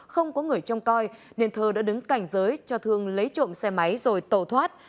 không có người trông coi nên thơ đã đứng cảnh giới cho thương lấy trộm xe máy rồi tẩu thoát